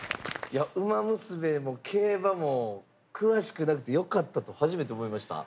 いや「ウマ娘」も競馬も詳しくなくてよかったと初めて思いました。